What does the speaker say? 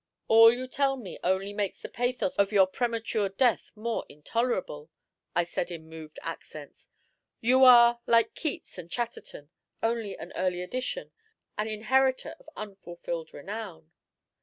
"All you tell me only makes the pathos of your premature death more intolerable," I said in moved accents. "You are, like Keats and Chatterton, only an earlier edition, an inheritor of unfulfilled renown."